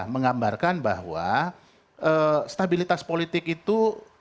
menggambarkan bahwa stabilitas politik itu